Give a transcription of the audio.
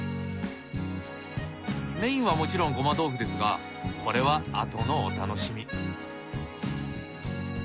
メインはもちろんごま豆腐ですがこれはあとのお楽しみ。